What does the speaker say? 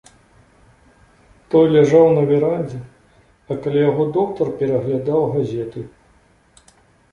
Той ляжаў на верандзе, а каля яго доктар пераглядаў газеты.